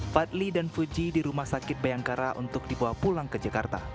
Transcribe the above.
fadli dan fuji di rumah sakit bayangkara untuk dibawa pulang ke jakarta